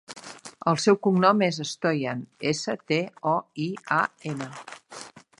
El seu cognom és Stoian: essa, te, o, i, a, ena.